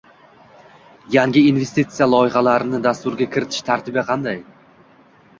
yangi investitsiya loyihalarni dasturga kiritish tartibi qanday?